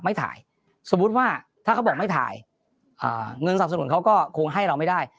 ไม่ถ่ายสมมุติว่าถ้าเขาบอกไม่ถ่ายเงินสนับสนุนเขาก็คงให้เราไม่ได้